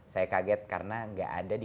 saya kaget karena nggak ada di